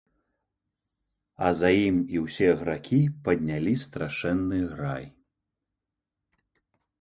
А за ім і ўсе гракі паднялі страшэнны грай.